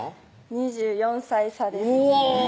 ２４歳差ですうお！